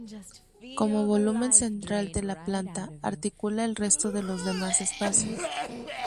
Como volumen central de la planta, articula el resto de los demás espacios.